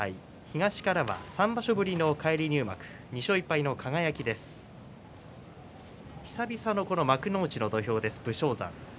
東からは３場所ぶりの返り入幕２勝１敗の輝です。